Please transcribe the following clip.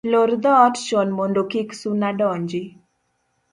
Lor dhoot chon mondo kik suna donji